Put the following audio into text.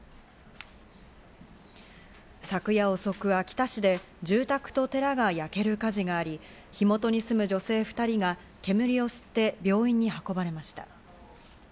昨夜遅く秋田市で住宅と寺が焼ける火事があり、火元に住む女性２人が煙を吸って病院に運ばれました。